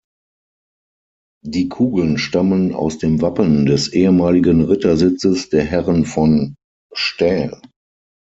Die Kugeln stammen aus dem Wappen des ehemaligen Rittersitzes der Herren von Stael.